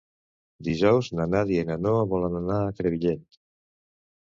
Dijous na Nàdia i na Noa volen anar a Crevillent.